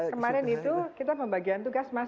kemarin itu kita pembagian tugas mas